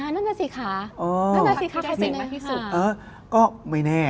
นั่นแน่สิคะพักที่ได้เสียงมาที่สุด